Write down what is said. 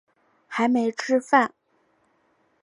还没吃饭